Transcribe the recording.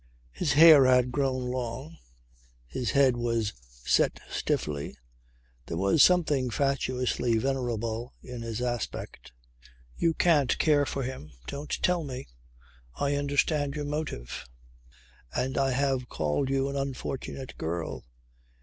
His hair had grown long, his head was set stiffly, there was something fatuously venerable in his aspect. "You can't care for him. Don't tell me. I understand your motive. And I have called you an unfortunate girl.